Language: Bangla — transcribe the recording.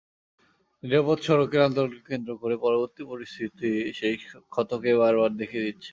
নিরাপদ সড়কের আন্দোলনকে কেন্দ্র করে পরবর্তী পরিস্থিত সেই ক্ষতকেই বারবার দেখিয়ে দিচ্ছে।